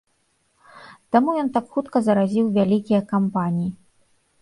Таму ён так хутка заразіў вялікія кампаніі.